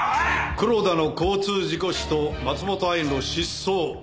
黒田の交通事故死と松本藍の失踪。